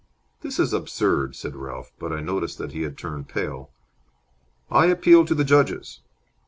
"This is absurd!" said Ralph, but I noticed that he had turned pale. "I appeal to the judges."